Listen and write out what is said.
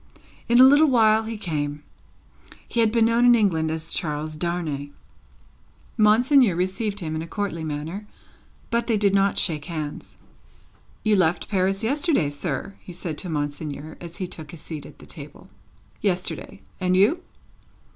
In a little while he came. He had been known in England as Charles Darnay. Monseigneur received him in a courtly manner, but they did not shake hands. "You left Paris yesterday, sir?" he said to Monseigneur, as he took his seat at table. "Yesterday. And you?"